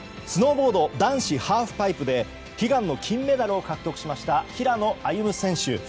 スノーボード男子ハーフパイプで悲願の金メダルを獲得しました平野歩夢選手。